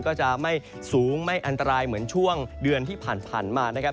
ก็จะไม่สูงไม่อันตรายเหมือนช่วงเดือนที่ผ่านมานะครับ